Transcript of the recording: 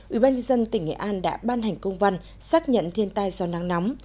ủy ban nhân dân tỉnh nghệ an đã ban hành công văn xác nhận thiên tai do nắng nóng